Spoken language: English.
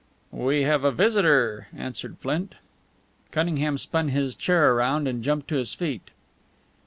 "We have a visitor," answered Flint. Cunningham spun his chair round and jumped to his feet.